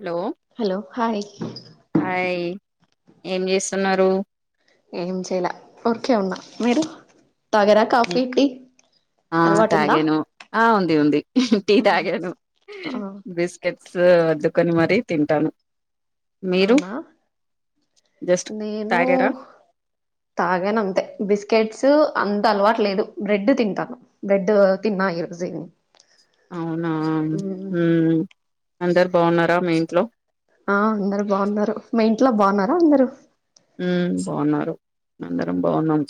Hello hello hi hi ఏం చేస్తున్నరు ఏం చేయలా ఊర్కే ఉన్నా మీరు తాగారా కాఫీ టీ ఆ అలవాటుందా తాగాను ఆ ఉంది ఉంది టీ తాగాను ఆ బిస్ కెట్స్ అద్దుకొని మరీ తింటాను మీరు అవునా జస్ట్ నేను తాగారా తాగాను అంతే బిస్కెట్స్ అంత అలవాటు లేదు బ్రెడ్ తింటాను బెడ్ తిన్న ఈ రోజు అవునా అందరు బాగున్నారా మీ ఇంట్లో ఆ అందరు బాగున్నారు మా ఇంట్లో బాగున్నార అందరూ బాగున్నారు అందరం బాగున్నాం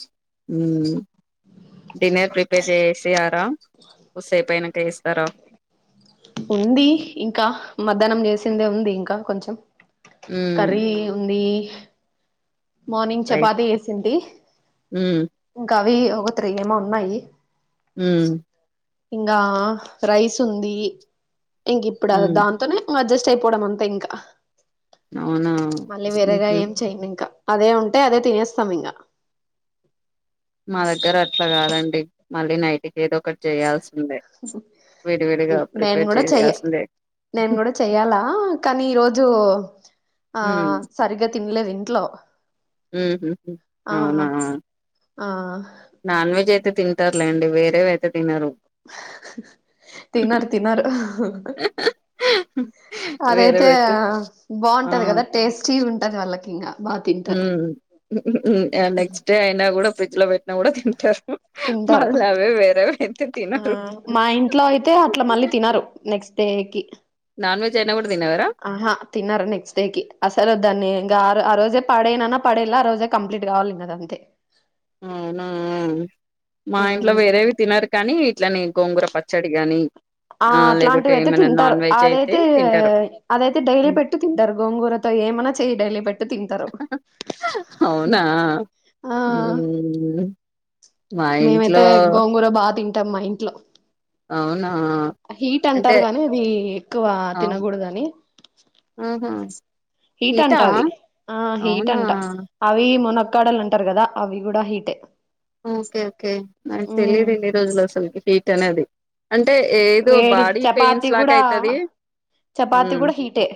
డిన్నర్ ప్రిపేర్ చేసేసినారా కూసేపు అయినాక ఇస్తారా ఉంది ఇంకా మధ్యాహ్నం చేసిందే ఉంది ఇంకా కొంచెం ఉమ్ కర్రీ ఉంది మార్నింగ్ రైట్ చపాతి చేసింటీ ఉమ్ ఇంకా అవి ఒక త్రీ ఏమో ఉన్నాయి ఉమ్ ఇంకా రైస్ ఉంది ఇంక ఇప్పుడు ఉమ్ దాంతోనే అడ్జస్ట్ అయిపోవడం అంతా ఇంకా అవునా మళ్ళీ వేరేగా ఉహు ఏం చేయను ఇంకా అదే ఉంటే అదే తినేస్తాం ఇంకా మా దగ్గర అట్లా కాదండి మళ్ళీ నైట్కి ఏదో ఒకటి చేయాల్సిందే విడివిడిగా నేను ప్రిపేర్ కూడా చెయ చేయాల్సిందే నేను కూడా చెయ్యాలా కానీ ఈరోజు ఆ ఉమ్ సరిగ్గా తినలేదు ఇంట్లో ఉహు ఆ అవునా ఆ నాన్ వెజ్ అయితే తింటారులేండి వేరేవయితే తినరు తినరు తినరు వేరే అదైతే పెడితే ఆ బాగుంటది కదా టేస్టీ ఉంటది వాళ్ళకి ఇంకా బాగా తింటారు నెక్స్ట్ డే అయినా కూడా ఫ్రిడ్జ్ లో పెట్టినా కూడా తింటారు మళ్ళ అవే వేరే ఆ మా ఇంట్లో అయితే అట్లా మళ్ళీ తినరు నెక్స్ట్ డేకి నిన్న కూడా తిన్నారా తిన్నారు నెక్స్ట్ డే కి అసలు దాన్ని ఇంకా ఆ రోజే పడేననా పడేలా ఆ రోజే కంప్లీట్ కావాలింగ అది అంతే అవునా మా ఇంట్లో మ్మ్ వేరేవి తినరు కానీ ఇట్లని గోంగూర పచ్చడి గాని ఆ లేకుంటే అట్లాంటివి అయితే ఏమైనా తింటారు నాన్ వెజ్ అయితే అదైతే తింటరు. అదైతే డైలీ పెట్ తింటారు గోంగూరతో ఏమన్నా చేయ డైలీ పేట్టి తింటారు ఆ ఉ మేమైతే గోంగూర బాగా తింటాం మా ఇంట్లో అవునా హీట్ అంటే అంటారు గాని అది ఎక్కువ అవు తినకూడద అని ఆహా హీట్ హీటా అంటది ఆ హీట్ అవునా అంటా అవి మునక్కాడలు అంటారు కదా అవి కూడా హీటే ఓకే ఓకే నాకు తెలిదు మ్మ్ ఇన్ని రోజులు అసలుకి హీట్ అనేది అంటే ఏదో వేడి బాడీ పెయిన్స్ చపాతి లాగా కూడా అయితది చపాతి హ్మ్ కూడా హీటే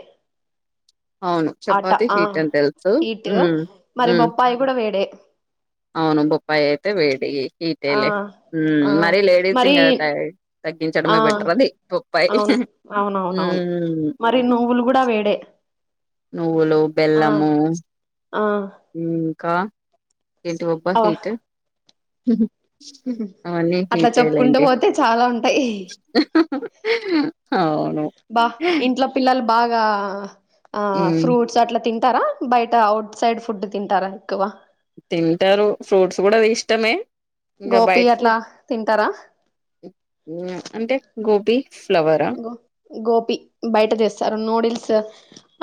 అవును ఆటా చపాతి ఆ హీట్ అని తెలుసు హీటు హ్మ్ మరి హ్మ్ బొప్పాయి కూడా వేడే అవును బొప్పాయి అయితే వేడి ఆ హిటేలే ఆ మరీ లేడీస్ ఇం మరి త ఆ తగ్గించడమే బెటర్ అది బొప్పాయి అవును అవునవునవును మరి నువ్వులు కూడా వేడే నువ్వులు ఆ బెల్లము ఆ ఇంకా ఏంటివి అబ్బా అవ హీట్ అవన్నీ అట్లా హీటే చెప్పుకుంటూ లేండి పోతే చాలా ఉంటాయి అవును అబా ఇంట్లో పిల్లలు బాగా ఆ హ్మ్ ఫ్రూట్స్ అట్లా తిం టారా బయట ఔట్ సైడ్ ఫుడ్ తింటారా ఎక్కువ తింటారు ఫ్రూట్స్ కూడా అది ఇష్టమే ఇంకా గోపి బయట్ అట్లా ఫుడ్ తింటారా అంటే గోబీ ఫ్లవర్ గోపి బయట తెస్తారు నూడిల్స్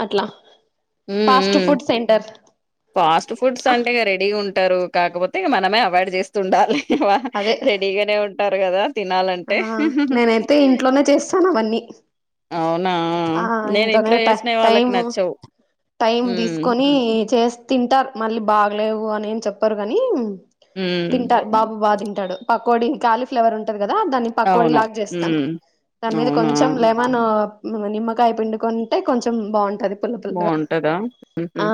అట్లా హ్మ్ ఫాస్ట్ హ్మ్ ఫుడ్ సెంటర్ ఫాస్ట్ ఫుడ్స్ అంటే రెడీగా ఉంటారు కాకపోతే ఇక మనమే అవాయిడ్ చేస్తూ ఉండాలి అదే రెడీగానే ఉంటారు కదా ఆ తినాలంటే నేనైతే ఇంట్లోనే చేస్తాను అవన్నీ అవునా ఆ నేను ఇంటనే ఇంట్లో చేసినవి వాళ్ళకి టైము నచ్చవు టైం హ్మ్ తీసుకొని చేస్త తింటారు మళ్ళీ బాగలేవు అని చెప్పారు కానీ హ్మ్ తింటారు బాబు బాగా తింటడు పకోడి కాలీ ఫ్లేవర్ ఉంటంది కదా దాని పకోడి అవును. లాగా చేస్తాం హ్మ్. దాని మీద అవునా! కొంచెం మనం నిమ్మకాయ పిండుకుంటే కొంచెం బాగుంటది పుల్ల పుల్లగా బావుంటదా? హుహు. ఆ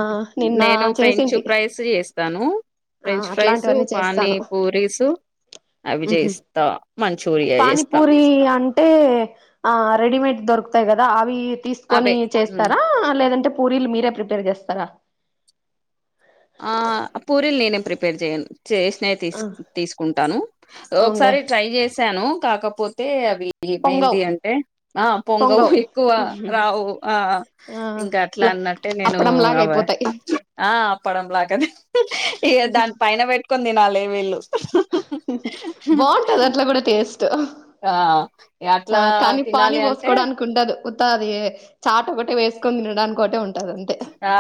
నిన్న నేను ఫ్రెంచ్ చేసింటి ఫ్రైస్ జేస్తాను. ఆ ఫ్రెంచ్ ఫ్రైసు, అట్లాంటివన్నీ పానీ చేస్తాను పూరీసు అవి జేస్తా. మంచూరియా జేస్తా. పానిపూరి అన్ అంటే ఆ రెడిమేడ్ దొరకుతాయి కదా అవి తీసుకొని అవే. హ్మ్. చేస్తారా లేదంటే పూరీలు మీరే ప్రిపేర్ చేస్తారా ఆ ఆ పూరీలు నేనే ప్రిపేర్ చెయ్యను చేసినవి తీ ఆ తీసుకుంటాను అవునులే ఒకసారి ట్రై చేశాను కాకపోతే అవి పొంగవ్ ఏమైంది అంటే ఆ పొంగవు పొంగవ్ ఎక్కువ రావు ఆ ఆ ఇంకా అట్లా ఇట్లా అన్నట్టే నేను అప్పడం లాగా అవ అయిపోతాయి ఆ అప్ప డం లాగా తీన్ ఇగ దాని పైన పెట్టుకొని తినాలి వీళ్ళు బాగుంటది అట్లా కూడా టే స్ట్ ఆ అట్లా తినాలి అంటే కుండదు ఉత్తా అది చాట్ ఒకటే వేసుకొని తినడానికి ఒకటే ఉంటది అంతే ఆ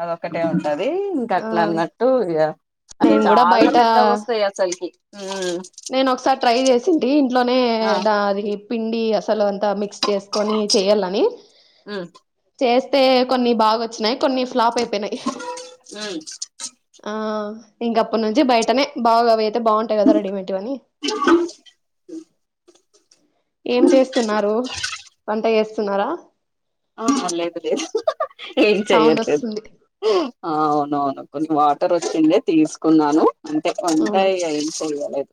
అదొక్కటే ఉంటది ఇంక ఆ అట్లా అన్నట్టు ఇగ అవి నేను కూడా చాలా బయట పెద్దగా వస్తాయి అసలుకి ఉమ్ నేను ఒకసారి ట్రై చేసింటి ఇంట్లోనే ఆ ద అది పిండి అసలు అంతా మిక్స్ చేసుకొని చేయాలని అ చేస్తే కొన్ని బాగా వచ్చినాయి కొన్ని ఫ్లాప్ అయిపోయినాయి మ్మ్ ఆ ఇంకప్పటి నుంచి బయటనే బాగా అవి అయితే బాగుంటాయి కదా రెడీమెడ్ ఏం చేస్తున్నారు వంట చేస్తున్నారా ఆ లేదు లేదు ఏం సౌండ్ చేయట్లేదు వస్తుంది ఆ అవునవును కొన్ని వాటర్ వచ్చిండే తీసుకున్నాను అంటే అవునా వంటాయి ఇగ ఏం చెయ్యలేద్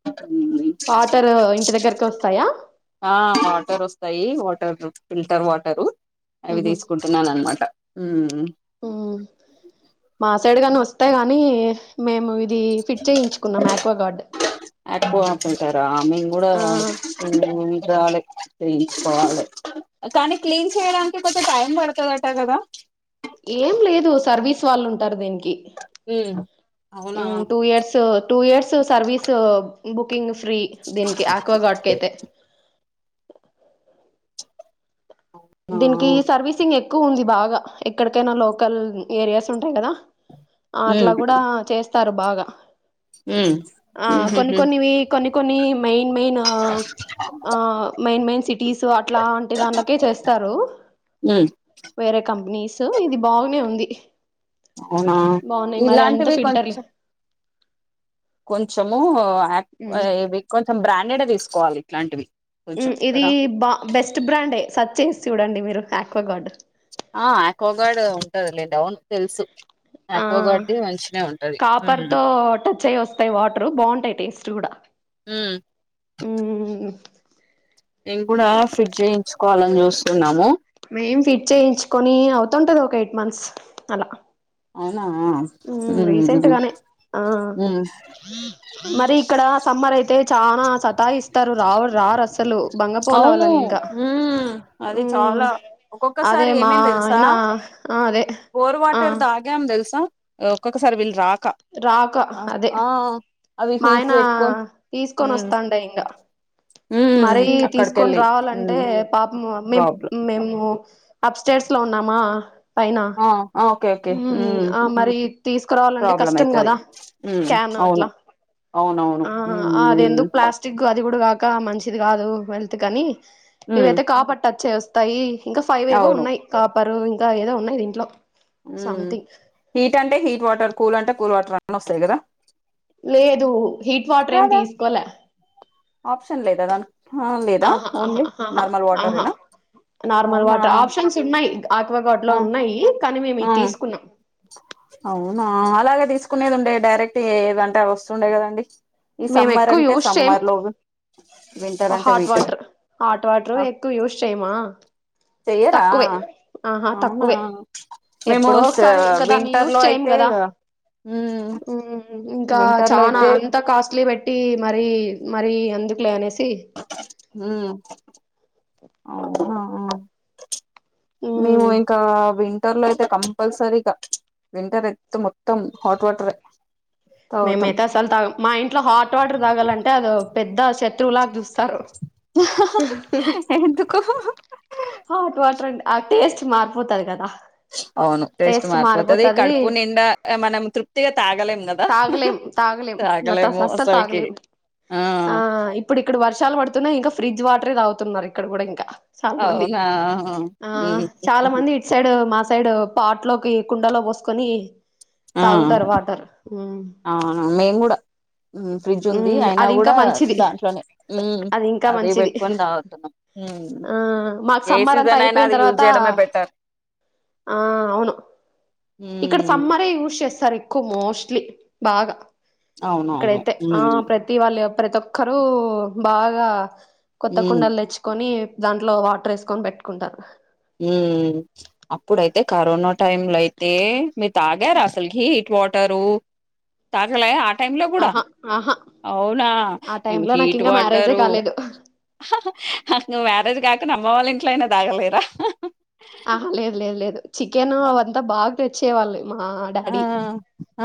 వాటర్ ఇంటి దగ్గరకే వస్తాయా ఆ వాటర్ వస్తాయి వాటర్ ఫిల్టర్ వాటరు అవి ఉహు తీసుకుంటున్నానమాట మ్ మా సైడ్ కాని వస్తేయి గాని మేము ఈ ఫిట్ చేయించుకున్నాం ఏక్వా గార్డ్ ఏక్వాకొనుక్కుంటారా మేము గూడా ఆ ఉండాలె తీయించుకొవాలె కానీ క్లీన్ చేయడానికి కొంచెం టైం పడతదట కదా ఏం లేదు సర్వీస్ వాళ్ళు ఉంటారు దీనికి ఉమ్ అవునా two years two years service booking free దీనికి ఆక్వా గార్డ్ కైయితే ఓ దీనికి సర్వీసింగ్ ఎక్కువ ఉంది బాగా ఎక్కడికైనా లోకల్ ఏరియాస్ ఉంటాయి కదా అట్లా ఉమ్ కూడా చేస్తారు బాగా ఉమ్ ఆ కొన్ని ఉహుహు కొన్నివి కొన్ని కొన్ని మెయిన్ మెయిన్ ఆ ఆ మెయిన్ మెయిన్ సిటీస్ అట్లా అంటి దానికే చేస్తారు మ్ వేరే కంపెనీస్ ఇది బాగునే ఉంది అవునా బాగున్నాయి మరి అంత ఇలాంటివి ఫిల్టర్ంగ్ కొంచము ఉమ్. ఇవి కొంచెం బ్రాండెడె తీసుకోవాలి ఇట్లాంటివి కొంచెం ఇది కదా బా బెస్ట్ బ్రాండే సర్చ్ చేసి చూడండి మీరు యాక్వగార్డు ఆ ఆక్వా గార్డ్ ఉంటుందిలేండి అవును తెల్సు ఆ కాపర్ ఉమ్ తో టచ్ అయి వస్తాయి వాటర్ బావుంటాయి టేస్ట్ కూడా ఉమ్ మ్మ్ నేను కూడా ఫిట్ జేయించుకోవాలని చూస్తున్నాము మేం ఫిట్ చేయించుకొని అవుతుంటది ఒక ఎయిట్ మంత్స్ అలా అవునా మ్మ్ రీసెంట్ మ్ గానే ఆ మ్ మరి ఇక్కడ సమ్మర్ అయితే చానా సతా ఇస్తారు రావు రారసల్ అసలు బంగపోల అవును వాళ్ళని ఇంకా ఉమ్ అది మ్ చాలా అదే ఒక్కొక్కసారి మా ఏమైంది తెలుసా అయనా ఆ అదే బోర్ ఆ వాటర్ తాగాం తెలుసా ఒక్కొక్కసారి వీళ్ళు రాక రాక అదే అవి మా హీట్ ఆయన పెట్టుకొని తీసుకొని వస్తాండే ఇంగా ఉమ్ మరీ తీసుకొని అక్కడికెళ్ళి రావాలంటే ఉమ్ పాపము మే ప్రాబ్లం మేము అప్ స్టెయిర్స్ లో ఉన్నామా పైన ఆ ఆ ఓకే ఓకే ఉమ్ ఆ మరి తీసుకురావాలంటే ప్రాబ్లం కష్టం అయితది కదా ఉమ్ క్యాన్ అట్లా అవును అవునవును ఆ మ్ అది ఎందుకు ప్లాస్టిక్ అది గూడా కాక మంచిది కాదు హెల్తు కనీ ఉమ్ ఇదైతే కాపర్ టచ్ అయి వస్ తయి ఇంకా ఫైవ్ ఏవో అవును ఉన్నాయి కాపరు ఇంకా ఏదో ఉన్నాయి దీంట్లో ఉమ్ సంథింగ్ హీట్ అంటే హీట్ వాటర్ కూల్ అంటే కూల్ వాటర్ అట్నె వస్తాయి కదా లేదు హీట్ వాటర్ ఏమి రాదా తీసుకోలే ఆప్షన్ లేదా దానికి ఆ లేదా ఆహా ఆహా ఓన్లీ ఆహా నార్మల్ ఆహా ఆహా వాటరేనా నార్మల్ అవునా వాటర్ ఆప్షన్స్ ఉన్నాయి ఆక్వా గార్డ్ ఆ లో ఉన్నాయి కానీ మేము ఆ ఇది తీసుకున్నాం అవునా అలాగే తీసుకునేది ఉండే డైరెక్ట్ ఏదంటే అవి వస్తుండే కదండి ఈ మేము సమ్మర్ ఎక్కువ అంటే యూజ్ చేయం సమ్మర్ లో వింటర్ అంటే hot winter water hot water ఆ ఎక్కువ యూజ్ చేయమా చెయ్యరా తక్కువే ఆహా అవునా తక్కువే మేము ఎప్పుడో స ఒకసారి ఇంకా దాన్ని వింటర్ యూస్ లో చేయం అయితే కదా ఇగ ఉమ్ ఇంకా వింటర్ లో చానా అయితే అంత కాస్ట్లీ పెట్టి మరి మరి ఎందుకులే అనేసి ఆ ఆఆ మేము ఇంకా వి వింటర్ లో అయితే కంపల్సరీగా వింటర్ అయితే మొత్తం హాట్ వాటరే తాగుతాం మేమైతే అసలు తాగం మా ఇంట్లో హాట్ వాటర్ తాగాలంటే అదో పెద్ద శత్రువులాగా చూసా స్తారు ఎందుకు హాట్ వాటర్ అంటే ఆ టేస్ట్ మారిపోతది కదా అవును టేస్ట్ మార్పోతది కడుపు నిండా మన తృప్తిగా తాగలేం కదా తాగలేం తాగలేం నా తా తాగలేము అస్సలు అసల్కి తాగలేం ఆ ఇ ఇప్పుడు ఇక్కడ వర్షాలు పడుతున్నాయి ఇంకా ఫ్రిజ్ వాటరే తాగుతున్నారు ఇక్కడ కూడా ఇంకా చాలా మంది అవునా ఆ చాలా మంది సైడ్ మా సైడ్ పాట్ లోకి కుండలో పోసుకొని ఆ తాగుతారు వాటర్ ఉమ్ అవును మేము కూడా ఉమ్ ఫ్రిడ్జ్ ఉంది ఉమ్ అయినా అది ఇంకా కూడా మంచిది దాంట్లోనే ఉమ్ అది ఇంకా అదే మంచిది పెట్టుకని తాగతున్నాం ఉమ్ ఆ మాకు ఏ సమ్మర్ అంతా సీజన్ అయినా అయిపోయిన అది యూజ్ తర్వాత చేయడమే బెటర్ ఆ అవును ఇక్కడ ఉమ్ సమ్మరే యూస్ చేస్తారు ఎక్కువ మోస్ట్లీ బాగా అవునవును ఇక్కడైతే ఆ హ్మ్ ప్రతి ప్రతి వాళ్ళు ప్రతి ఒక్కరూ బాగా కొత్త హ్మ్ కుండలు తెచ్చు కొని దాంట్లో వాటర్ వేసుకొని పెట్టుకుంటారు ఉ అప్పుడైతే కరోనా టైమ్ లో అయితే మీరు తాగారు అసలు హీట్ వాటరు తగలా ఆ టైమ్ లో కూడా ఆహా ఆహా అవునా ఆ టైమ్ మేము లో నాకు హీట్ ఇంకా మ్యారేజే వాటరు కాలేదు ను మ్యారేజ్ కాకుండా అమ్మ వాళ్ళ ఇంట్లో అయినా తాగలేదా ఆహ లేదు లేదు లేదు చికెన్ అవంతా బాగా తెచ్చే వాళ్ళు మా ఆ డాడీ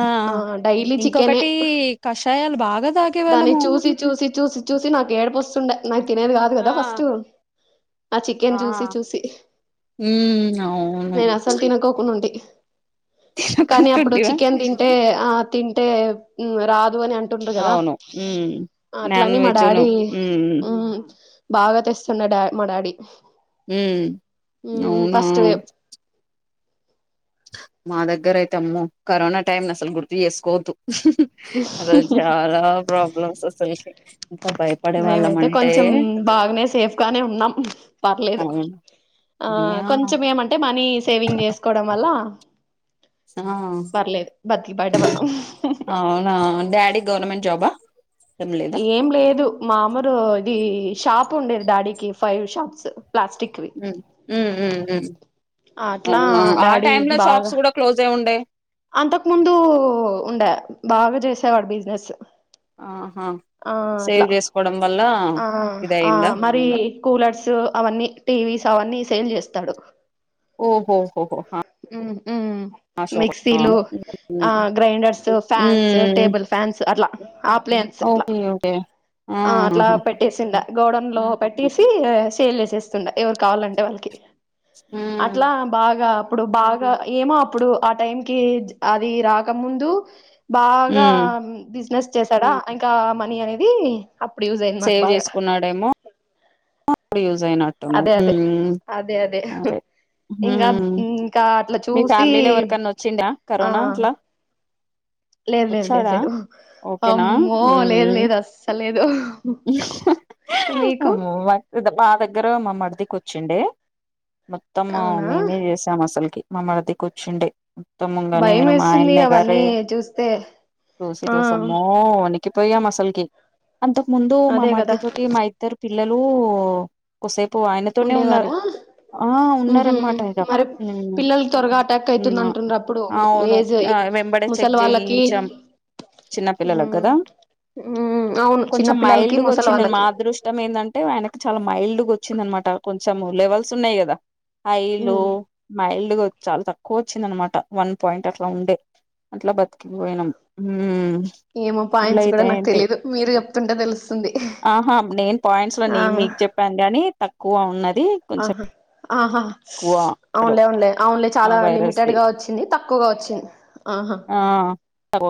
ఆ డైలీ చికెనే ఇంకొకటి కషాయాలు బాగా తా దాన్ని చూసి చూసి చూసి చూసి నాకు ఏడుపు వస్తుండే నాకు తినేది కాదు ఆ కదా ఫస్ట్ ఆ చికెన్ చూసి చూసి ఊ అవును తినకోకుండా ఉంటి కానీ అప్పుడు గుర్తుంటివా చికెన్ తి టే ఆ తింటే రాదు అని అంటుండు కదా అవును హ్మ్ నాన్ అట్లని మా వెజ్ను డాడీ హ్మ్ ఉమ్ బాగా తెస్తున్నాడె డా మా డాడీ ఉమ్ అవునా ఫస్ట్ మా దగ్గర అయితే అమ్మో కరోనా టైమ్ ను అసలు గుర్తు చేసుకోవద్దు అదో చాలా ప్రాబ్లమ్స్ అసలకీ ఎంత బయ మేమైతే కొంచెం బాగానే సేఫ్ గానే ఉన్నాం పర్లేదు అవును ఆ యా కొంచెం ఏమంటే మనీ సేవింగ్ చేసుకో కోవడం వల్ల ఆ పర్లేదు బతికి బయట పడినాం అవునా డాడీ గవర్నమెంట్ జాబా ఏం లేదా ఏం లేదు మామూరు ఇది షాప్ వుండేది డాడీకి ఫైవీ షాప్స్ ప్లాస్టిక్ వి. ఉమ్ ఉమ్ ఉమ్ అట్లా అవునా ఆ డాడీ టైమ్ లో బాగా షాప్స్ కూడా క్లోజ్ అయి ఉండే్. అంతకు ముందు ఉండే బాగా చేసేవాడు బిజినెస్. ఆహా ఆ సేవ్ అట్లా చేసుకోవడం వల్ల, ఆ ఆ ఇదయిందా మరి కూలర్స్ అవన్నీ టీవీస్ అవన్నీ సేల్ చేస్తాడు. ఒహు ఓహోహహ ఉ ఉమ్ మిక్సీ లు, ఉమ్ ఆ గ్రైండర్స్, ఫ్యాన్స్, టేబుల్, ఫ్యాన్స్అట్లా ఆ ప్లేన్. ఓకే ఓకే ఆ ఆ ఉహు. పెట్టేసిండ గోడం లో పెట్టేసి సేల్ చేేసేస్తుండ ఎవరు కావాలంటే వాళ్ళకి, ఉమ్ అట్లా బాగా అప్పుడు బాగా ఏమో అప్పుడు ఆ టైం కి అది రాకముందు, బాగా హ్మ్ బిజినెస్ చేసాడా ఇంకా మనీ అనేది. యూజ్ అయింది మాకు సేవ్ బాగా చేసుకున్నాడేమో అప్పుడు యూజ్ అయినట్ అదే అదే అదే అదే ఇంకా హ్మ్ ఇంకా అట్లా మీ చూసి ఫ్యామిలీలో ఎవరికన్నా వచ్చిందా ఆ కరోనా అట్లా లేదు లేదు లేదు వచ్చాడా? లేదు ఓకేనా? అమ్మో లేదు లేదు అస్సలు లేదు. మీకు ఆమ్మో మా దగ్గర మామరిది కూర్చుండే, మొత్తం అవునా నేనే చేసాం అసలుకి మా మరిది కూర్చుండే, ఉత్తముంగా భయం నేను వేస్తుంది మాయన్న అవన్నీ గారే చూస్తే చూసి ఆ చూసమ్మో ఉనికి. పోొయ్యాం అసలుకి అంతకు ముందు మా అదే కదా మరది తోటి మా ఇద్దరు పిల్లలు, కోసేపు ఆయనతోనే ఉన్నారు. ఉండేవారా ఆ ఉన్నార ఉహు అన్మాట ఇగ. మరి పిల్లలకి త్వరగా అటాక్ అయితుంది అంటుండ్రు అప్పుడు అవును ఏజ్ వెంబడే చెక్ ముసలి వాళ్ళకి చేయించాం చిన్నపిల్లల కదా, ఉ అవును. చిన్న కొంచెం పిల్లలకి మైల్డ్ గా ముసలి వచ్చింది, మా వాళ్ళకి అదృష్టి. అదృష్టం ఏంటంటే ఆయనకి చాలా మైల్డ్గా వచ్చింది అనమాట కొంచెం లెవెల్స్ ఉన్నాయి కదా, హై లో ఉమ్ మైల్డ్ గా చాలా తక్కువ వచ్చింద అనమాట వన్ పాయింట్ అట్లా ఉండే. అట్లా బతికిపోయినాం ఊ ఏమోపాయింస్ కూడా నాకు తెలీయదు మీరు చెప్తుంటే తెలుసు. ఆహా నేను పాయింట్స్ లో నేను మీకు చెప్పాను గాని తక్కువ ఉన్నది కొంచెం, ఆహా ఆహా ఎక్కువ లో అవునులే అవున్లే అవున్లే ఆ చాలా లిమిటెడ్ వైరస్ది గా వచ్చి. వింది తక్కువగా వచ్చింది ఆహా ఆ